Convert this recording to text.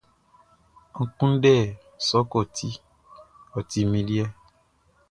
N kunndɛ sɔkɔti, ɔ ti min liɛ!